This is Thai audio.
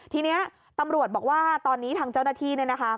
ทีนี้ตำรวจบอกว่าตอนนี้ทางเจ้าหน้าที่เนี่ยนะคะ